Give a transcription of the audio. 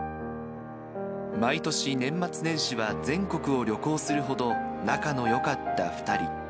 毎年、年末年始は、全国を旅行するほど仲のよかった２人。